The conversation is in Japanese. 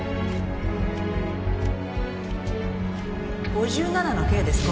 ５７のＫですね。